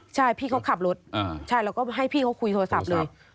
ใช่พี่เขาขับรถใช่เราก็ให้พี่เขาคุยโทรศัพท์เลย